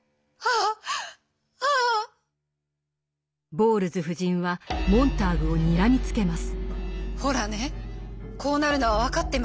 ボウルズ夫人はモンターグをにらみつけます。